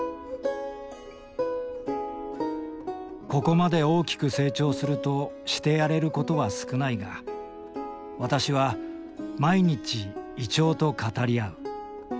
ここまで大きく成長するとしてやれることは少ないが私は毎日銀杏と語り合う。